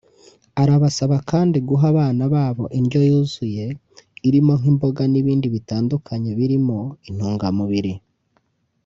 Arabasaba kandi guha abana babo indyo yuzuye irimo nk’imboga n’ibindi bitandukanye birimo intungamubiri